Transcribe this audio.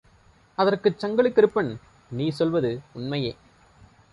அதற்குச் சங்கிலிக் கறுப்பன் நீ சொல்வது உண்மையே.